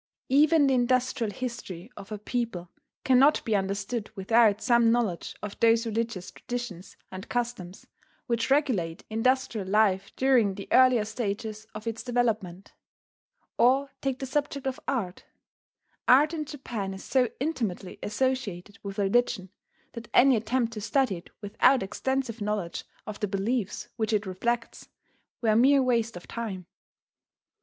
Even the industrial history of a people cannot be understood without some knowledge of those religious traditions and customs which regulate industrial life during the earlier stages of its development .... Or take the subject of art. Art in Japan is so intimately associated with religion that any attempt to study it without extensive knowledge of the beliefs which it reflects, were mere waste of time.